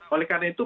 oleh karena itu